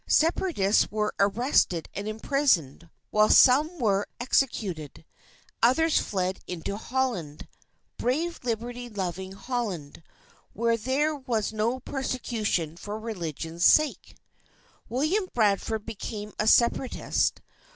Separatists were arrested and imprisoned, while some were executed. Others fled into Holland brave liberty loving Holland where there was no persecution for religion's sake. William Bradford became a Separatist.